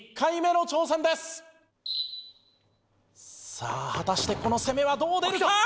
さあ果たしてこの攻めはどう出るか？